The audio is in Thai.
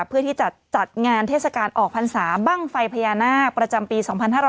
เพื่อที่จะจัดงานเทศกาลออกพรรษาบ้างไฟพญานาคประจำปี๒๕๕๙